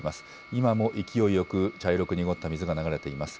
今も勢いよく茶色く濁った水が流れています。